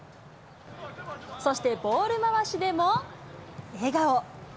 そしてボール回しでも笑顔。